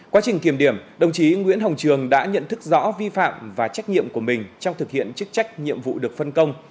quá trình kiểm điểm đồng chí nguyễn hồng trường đã nhận thức rõ vi phạm và trách nhiệm của mình trong thực hiện chức trách nhiệm vụ được phân công